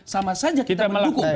sama saja kita mendukung